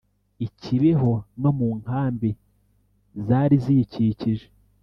i Kibeho no mu nkambi zari ziyikikije.